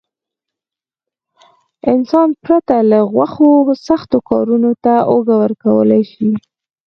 انسان پرته له غوښو سختو کارونو ته اوږه ورکولای شي.